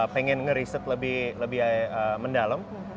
pengen meriset lebih mendalam